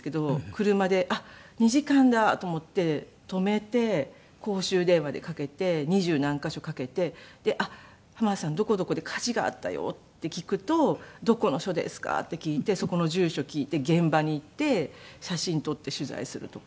車であっ２時間だと思って止めて公衆電話でかけて二十何カ所かけて「浜田さんどこどこで火事があったよ」って聞くと「どこの署ですか？」って聞いてそこの住所聞いて現場に行って写真撮って取材するとか。